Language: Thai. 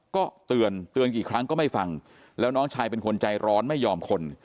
ก็เตือนเตือนกี่ครั้งก็ไม่ฟังแล้วน้องชายเป็นคนใจร้อนไม่ยอมคน